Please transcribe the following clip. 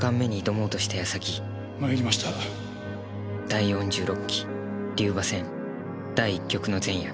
第四六期龍馬戦第一局の前夜。